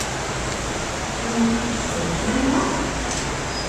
Ur iyi-t-id-ttaken ara?